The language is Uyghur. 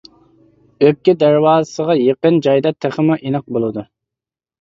ئۆپكە دەرۋازىسىغا يېقىن جايدا تېخىمۇ ئېنىق بولىدۇ.